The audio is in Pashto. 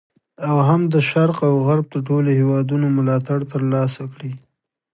او هم د شرق او غرب د ټولو هیوادونو ملاتړ تر لاسه کړ.